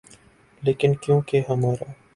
لیکن کیونکہ ہمارا